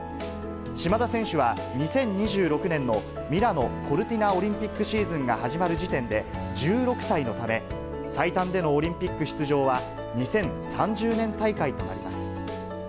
島田選手は２０２６年のミラノ・コルティナオリンピックシーズンが始まる時点で１６歳のため、最短でのオリンピック出場は２０３０年大会となります。